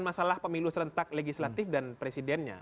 masalah pemilu serentak legislatif dan presidennya